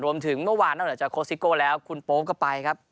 รวมถึงเมื่อวานมาหรือจะแล้วคุณโป๊ปก็ไปครับ